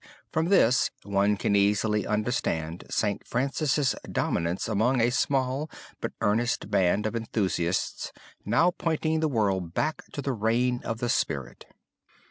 From this one can easily understand St. Francis' dominance among a small but earnest band of enthusiasts now pointing the world back to the reign of the spirit.